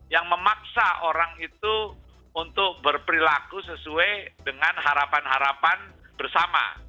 yang memaksa orang itu untuk berperilaku sesuai dengan harapan harapan bersama